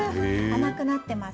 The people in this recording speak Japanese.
甘くなってます。